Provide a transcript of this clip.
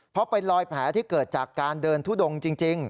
เพราะเป็นรอยแผลที่เกิดจากการเดินทุดงจริง